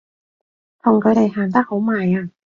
同佢哋行得好埋啊！